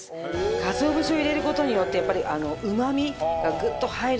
かつお節を入れる事によってやっぱりうまみがグッと入るので。